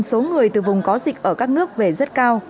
số người từ vùng có dịch ở các nước về rất cao